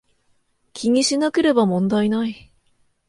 気にしなければ問題無い